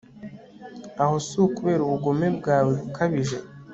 aho si ukubera ubugome bwawe bukabije